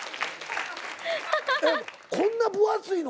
こんな分厚いの？